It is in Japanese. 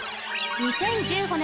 ２０１５年